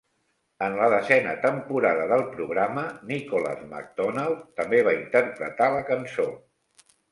En la desena temporada del programa, Nicholas McDonald també va interpretar la cançó.